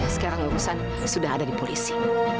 sekarang lulusan sudah ada di polisi